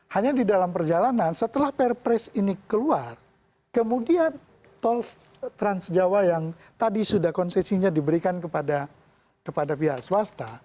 hanya di dalam perjalanan setelah perpres ini keluar kemudian tol trans jawa yang tadi sudah konsesinya diberikan kepada pihak swasta